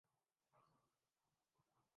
یہی ایک مہذب معاشرے کی پہچان ہے۔